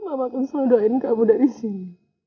mama akan selalu doain kamu dari sini